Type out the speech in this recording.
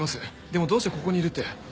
でもどうしてここにいるって？